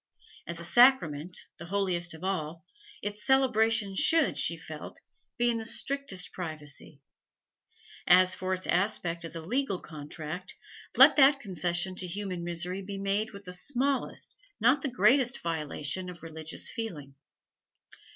As a sacrament, the holiest of all, its celebration should, she felt, be in the strictest privacy; as for its aspect as a legal contract, let that concession to human misery be made with the smallest, not the greatest, violation of religious feeling.